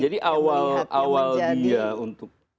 jadi awal dia untuk